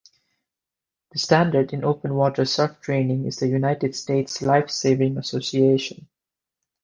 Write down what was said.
The standard in open water surf training is the United States Lifesaving Association.